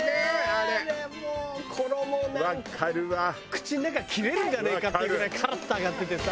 口の中切れるんじゃねえかっていうぐらいカラッと揚がっててさ。